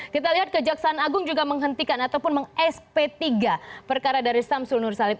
kita lihat kejaksaan agung juga menghentikan ataupun meng sp tiga perkara dari syamsul nursalim